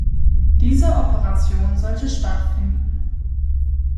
Diese Operation sollte stattfinden.